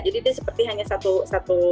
jadi dia seperti hanya satu helai